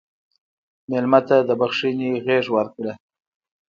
مېلمه ته د بښنې غېږ ورکړه.